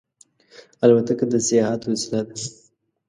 الوتکه د سیاحت وسیله ده.